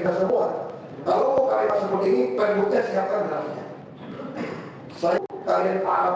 kalau terjadi perbedaan perbedaan lain